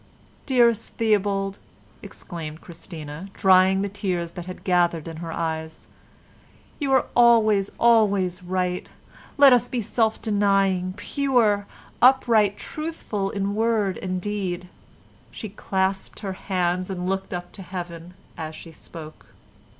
"Dearest Theobald," exclaimed Christina, drying the tears that had gathered in her eyes, "you are always, always right. Let us be self denying, pure, upright, truthful in word and deed." She clasped her hands and looked up to Heaven as she spoke.